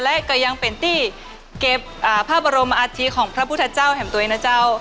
และก็ยังเป็นที่เก็บภาพบรมอาธิของพระพุทธเจ้าแห่งตัวเองนะเจ้า